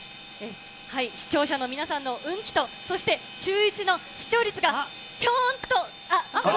視聴者の皆さんの運気と、そしてシューイチの視聴率がぴょーんと。